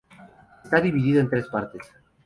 Está dividido en tres partes.